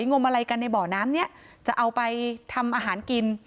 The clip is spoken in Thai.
งมอะไรกันในบ่อน้ำนี้จะเอาไปทำอาหารกิน